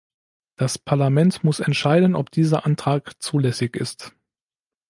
Das Parlament muss entscheiden, ob dieser Antrag zulässig ist.